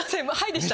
はい。